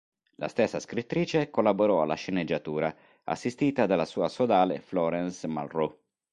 La stessa scrittrice collaborò alla sceneggiatura, assistita dalla sua sodale Florence Malraux.